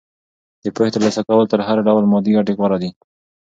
د پوهې ترلاسه کول تر هر ډول مادي ګټې غوره دي.